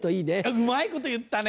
うまいこと言ったね！